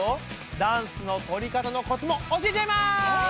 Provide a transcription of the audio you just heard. ダンスの撮りかたのコツも教えちゃいます！